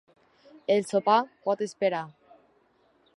El sopar pot esperar.